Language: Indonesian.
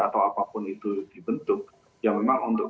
atau apapun itu dibentuk ya memang untuk